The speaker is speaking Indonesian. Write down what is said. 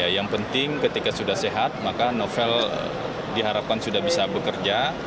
yang penting ketika sudah sehat maka novel diharapkan sudah bisa bekerja